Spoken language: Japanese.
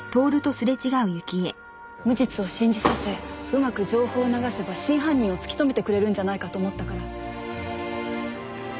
無実を信じさせうまく情報を流せば真犯人を突き止めてくれるんじゃないかと思ったから。